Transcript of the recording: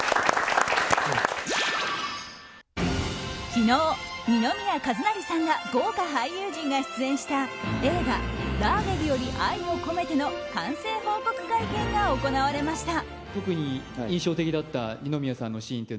昨日、二宮和也さんら豪華俳優陣が出演した映画「ラーゲリより愛を込めて」の完成報告会見が行われました。